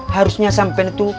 harusnya sampe itu